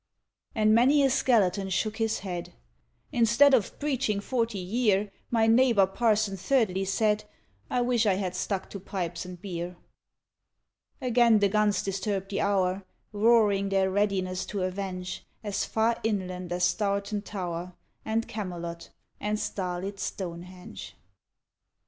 And many a skeleton shook his head. "Instead of preaching forty year," My neighbour Parson Thirdly said, "I wish I had stuck to pipes and beer." Again the guns disturbed the hour, Roaring their readiness to avenge, As far inland as Stourton Tower, And Camelot, and starlit Stonehenge.